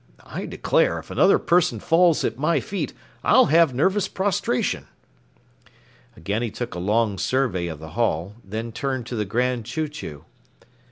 I declare, if another person falls at my feet, I'll have nervous prostration." Again he took a long survey of the hall, then turned to the Grand Chew Chew.